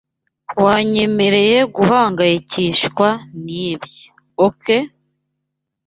Wanyemereye guhangayikishwa nibyo, OK?